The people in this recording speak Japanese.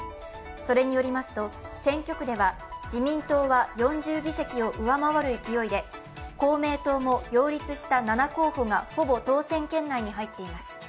それによりますと、選挙区では自民党は４０議席を上回る勢いで公明党も擁立した７候補がほぼ当選圏内に入っています。